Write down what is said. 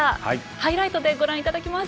ハイライトでご覧いただきます。